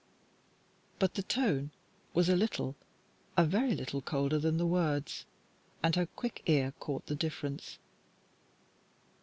But the tone was a little, a very little, colder than the words, and her quick ear caught the difference.